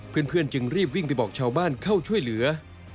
เพื่อนจึงรีบวิ่งไปบอกชาวบ้านเข้าช่วยเหลือ